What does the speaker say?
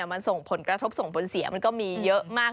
มันผลกระทบผลเสียก็มีเยอะมาก